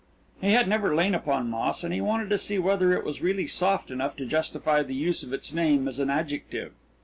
He had never lain upon moss, and he wanted to see whether it was really soft enough to justify the use of its name as an adjective.